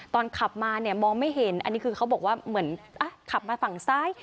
ตอนขับมาเนี่ยมองไม่เห็นอันนี้คือเขาบอกว่าเหมือนขับมาฝั่งซ้าย